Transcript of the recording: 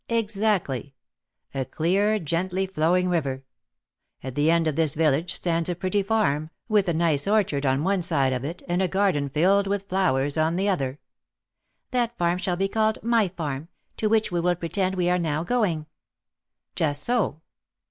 "Exactly! a clear, gently flowing river. At the end of this village stands a pretty farm, with a nice orchard on one side of it, and a garden, filled with flowers, on the other " "That farm shall be called my farm, to which we will pretend we are now going." "Just so."